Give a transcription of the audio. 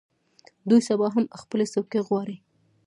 دوی سبا هم خپلې څوکۍ غواړي.